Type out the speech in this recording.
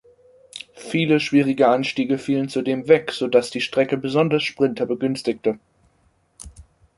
Viele schwierige Anstiege fielen zudem weg, sodass die Strecke besonders Sprinter begünstigte.